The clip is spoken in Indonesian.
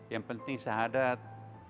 yang penting syahadat